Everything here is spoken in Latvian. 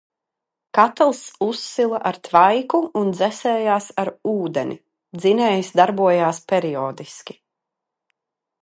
Katls uzsila ar tvaiku un dzesējās ar ūdeni: dzinējs darbojās periodiski.